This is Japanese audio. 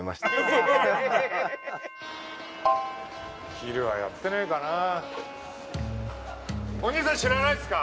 昼はやってないかなぁ。